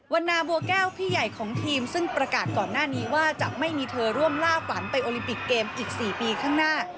นาบัวแก้วพี่ใหญ่ของทีมซึ่งประกาศก่อนหน้านี้ว่าจะไม่มีเธอร่วมล่าฝันไปโอลิมปิกเกมอีก๔ปีข้างหน้า